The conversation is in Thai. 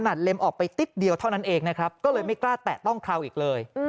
เล็มออกไปติ๊บเดียวเท่านั้นเองนะครับก็เลยไม่กล้าแตะต้องเคราวอีกเลย